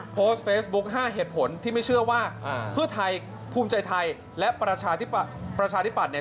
โพสต์เฟซบุ๊ค๕เหตุผลที่ไม่เชื่อว่าเพื่อไทยภูมิใจไทยและประชาธิปัตยเนี่ย